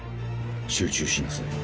集中しなさい。